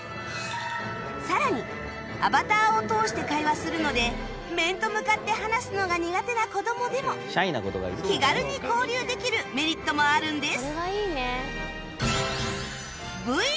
さらにアバターを通して会話するので面と向かって話すのが苦手な子どもでも気軽に交流できるメリットもあるんです